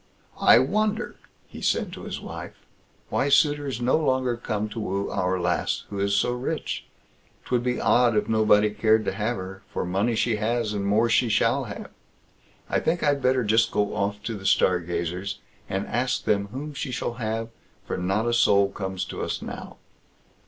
"I wonder now", he said to his wife, "why suitors no longer come to woo our lass, who is so rich. 'Twould be odd if no body cared to have her, for money she has, and more she shall have. I think I'd better just go off to the Stargazers, and ask them whom she shall have, for not a soul comes to us now."